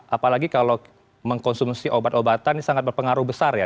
apalagi kalau mengkonsumsi obat obatan ini sangat berpengaruh besar ya